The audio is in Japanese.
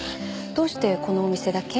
どうしてこのお店だけ？